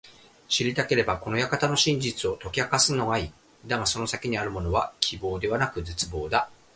知りたければ、この館の真実を解き明かすがいい。だがその先にあるものは…希望ではなく絶望だ。